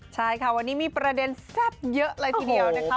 ใช่ค่ะวันนี้มีประเด็นแซ่บเยอะเลยทีเดียวนะคะ